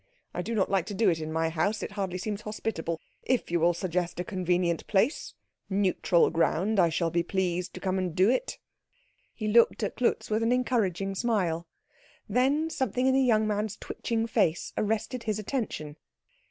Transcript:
I do not like to do it in my house it hardly seems hospitable. If you will suggest a convenient place, neutral ground, I shall be pleased to come and do it." He looked at Klutz with an encouraging smile. Then something in the young man's twitching face arrested his attention.